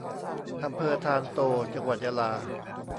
อำเภอธารโต จังหวัดยะลา